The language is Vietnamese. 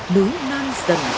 núi non dần dài